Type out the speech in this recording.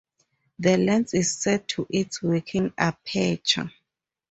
The lens is set to its working aperture.